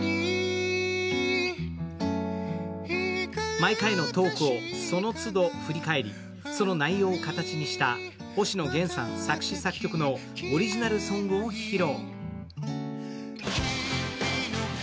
毎回のトークをそのつど振り返りその内容を形にした星野源さん作詞・作曲のオリジナルソングを披露。